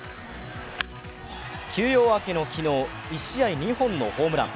休養明けの昨日、１試合２本のホームラン。